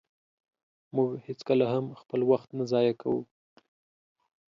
مونږ هيڅکله هم خپل وخت نه ضایع کوو.